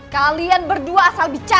kalian berdua asal bicara